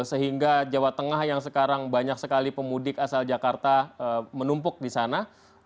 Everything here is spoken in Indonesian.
sehingga jawa tengah yang sekarang banyak sekali pemudik asal jakarta menumpuk di sana